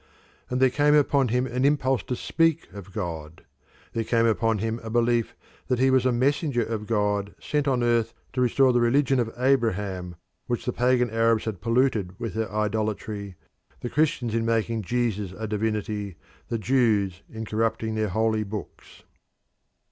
And there came upon him an impulse to speak of God; there came upon him a belief that he was a messenger of God sent on earth to restore the religion of Abraham which the pagan Arabs had polluted with their idolatry, the Christians in making Jesus a divinity, the Jews in corrupting their holy books.